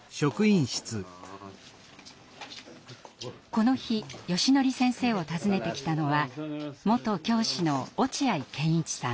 この日よしのり先生を訪ねてきたのは元教師の落合賢一さん。